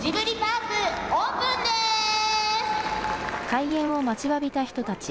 開園を待ちわびた人たち。